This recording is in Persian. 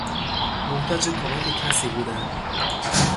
محتاج کمک کسی بودن